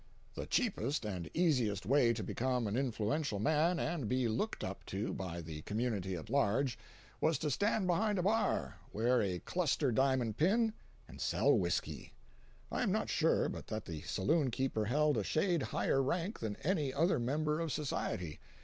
The cheapest and easiest way to become an influential man and be looked up to by the community at large, was to stand behind a bar, wear a cluster diamond pin, and sell whisky. I am not sure but that the saloon keeper held a shade higher rank than any other member of society.